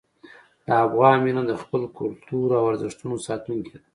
د افغان وینه د خپل کلتور او ارزښتونو ساتونکې ده.